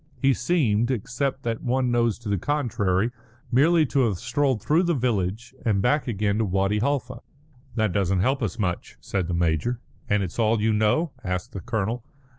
He seemed, except that one knows to the contrary, merely to have strolled through the village and back again to Wadi Halfa." "That doesn't help us much," said the major. "And it's all you know?" asked the colonel.